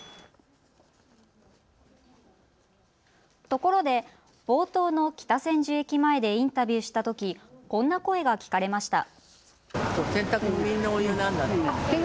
ところで冒頭の北千住駅前でインタビューしたとき、こんな声が聞かれました。